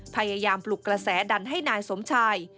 พยายามปลุกกระแสดันให้นายสมชาย